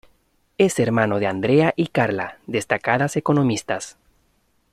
Es hermano de Andrea y Carla, destacadas economistas.